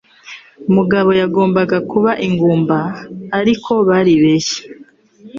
Mugabo yagombaga kuba ingumba, ariko bari baribeshye.